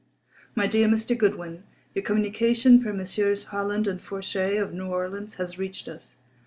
_ My Dear Mr. Goodwin:—Your communication per Messrs. Howland and Fourchet, of New Orleans, has reached us.